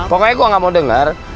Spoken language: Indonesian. pokoknya gue gak mau dengar